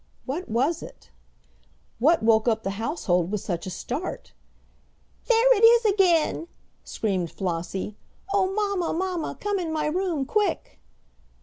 What was it? What woke up the household with such a start? "There it is again!" screamed Flossie. "Oh, mamma, mamma, come in my room quick!"